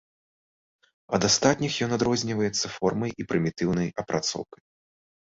Ад астатніх ён адрозніваецца формай і прымітыўнай апрацоўкай.